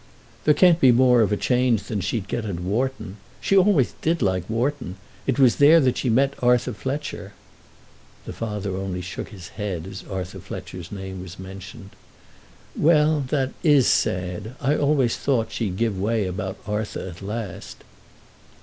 "There can't be more of a change than she'd get at Wharton. She always did like Wharton. It was there that she met Arthur Fletcher." The father only shook his head as Arthur Fletcher's name was mentioned. "Well, that is sad. I always thought she'd give way about Arthur at last."